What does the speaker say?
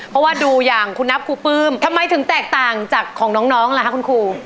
เพราะว่าดูอย่างคุณนับครูปื้มทำไมถึงแตกต่างจากของน้องล่ะคะคุณครู